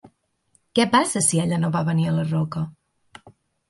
Què passa si ella no va venir a la roca?